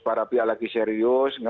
para pihak lagi serius